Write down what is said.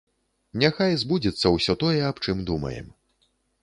Няхай збудзецца ўсё тое, аб чым думаем.